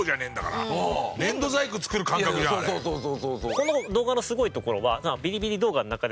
この動画のすごいところは。